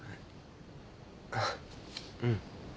あぁうん。